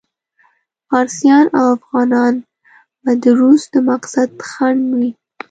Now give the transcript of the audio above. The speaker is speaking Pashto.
فارسیان او افغانان به د روس د مقصد خنډ وي.